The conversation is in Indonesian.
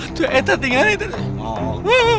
aduh eh tadi ngani tadi